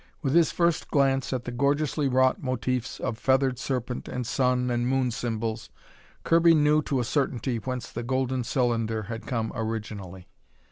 With his first glance at the gorgeously wrought motifs of Feathered Serpent and Sun and Moon symbols, Kirby knew to a certainty whence the golden cylinder had come originally.